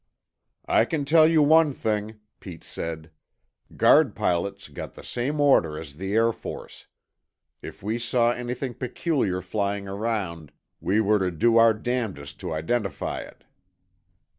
"I can tell you one thing," Pete said. "Guard pilots got the same order as the Air Force. If we saw anything peculiar flying around, we were to do our damnedest to identify it."